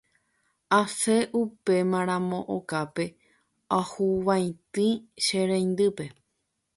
Asẽ upémaramo okápe ahuvaitĩ che reindýpe.